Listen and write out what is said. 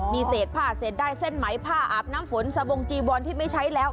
มีเศษผ้าเศษได้เส้นไหมผ้าอาบน้ำฝนสะบงจีวอนที่ไม่ใช้แล้ว